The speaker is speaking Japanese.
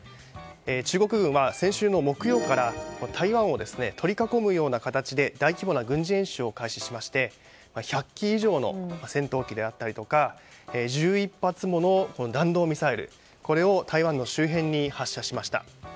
中国軍は先週の木曜から台湾を取り囲むような形で大規模な軍事演習を開始しまして１００機以上の戦闘機とか１１発もの弾道ミサイルを台湾の周辺に発射しました。